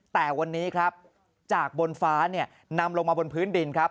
แต่วันนี้ครับจากบนฟ้าเนี่ยนำลงมาบนพื้นดินครับ